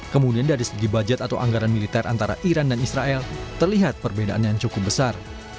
kemudian dari segi budget atau anggaran militer antara iran dan israel terlihat perbedaan yang cukup besar